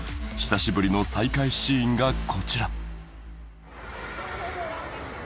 久しぶりの再会シーンがこちら